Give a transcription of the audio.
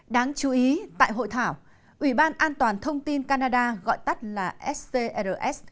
đáng chú ý tại hội thảo ủy ban an toàn thông tin canada gọi tắt là scrs